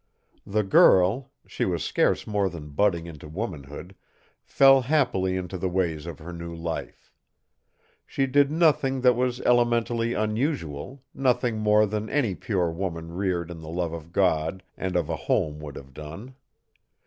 The girl she was scarce more than budding into womanhood fell happily into the ways of her new life. She did nothing that was elementally unusual, nothing more than any pure woman reared in the love of God and of a home would have done.